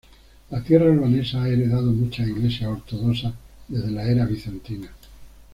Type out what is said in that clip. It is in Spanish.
La tierra albanesa ha heredado muchas iglesias ortodoxas desde la era bizantina.